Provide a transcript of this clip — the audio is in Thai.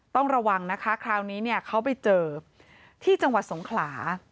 ต้องระวังนะคะคราวนี้เนี่ยเขาไปเจอที่จังหวัดสงขลา